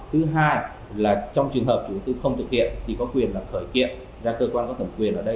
thứ hai là trong trường hợp chủ tư không thực hiện thì có quyền là khởi kiện ra cơ quan có thẩm quyền ở đây